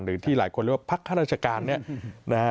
หรือที่หลายคนเรียกว่าภักรราชการเนี่ย